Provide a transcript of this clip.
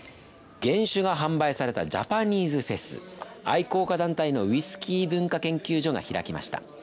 原酒が販売されたジャパニーズフェス愛好家団体のウイスキー文化研究所が開きました。